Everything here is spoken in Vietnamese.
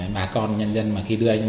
bà con nhân dân mà khi đưa